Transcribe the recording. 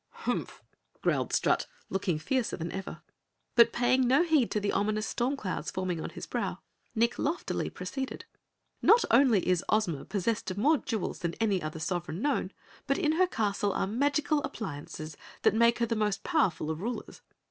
"Humph!" growled Strut, looking fiercer than ever. But paying no heed to the ominous storm clouds forming on his brow, Nick loftily proceeded. "Not only is Ozma possessed of more jewels than any other sovereign known, but in her castle are magic appliances that make her the most powerful of rulers.